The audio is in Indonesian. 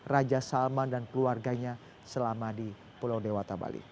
raja salman dan keluarganya selama di pulau dewata bali